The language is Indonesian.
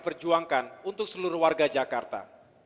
perjuangkan untuk seluruh warga jakarta